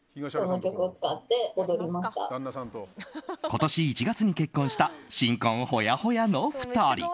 今年１月に結婚した新婚ホヤホヤの２人。